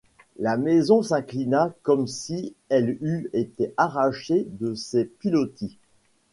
La maison s’inclina comme si elle eût été arrachée de ses pilotis.